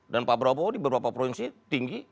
dan pak brawobodi berapa provinsi tinggi